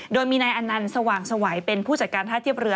โดยมีนายอนันต์สว่างสวัยเป็นผู้จัดการท่าเทียบเรือ